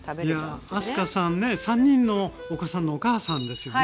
いや明日香さんね３人のお子さんのお母さんですよね。